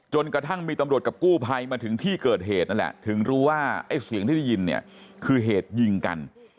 กระทั่งมีตำรวจกับกู้ภัยมาถึงที่เกิดเหตุนั่นแหละถึงรู้ว่าไอ้เสียงที่ได้ยินเนี่ยคือเหตุยิงกัน